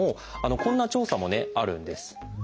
こんな調査もあるんです。